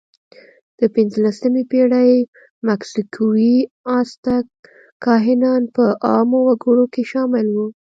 د پینځلسمې پېړۍ مکسیکويي آزتک کاهنان په عامو وګړو کې شامل وو.